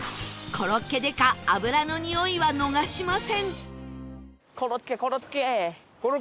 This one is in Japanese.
コロッケ刑事油のにおいは逃しません！